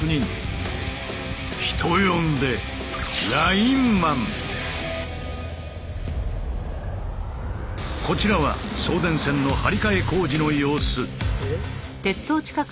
人呼んでこちらは送電線の張り替え工事の様子。